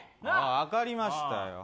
分かりましたよ。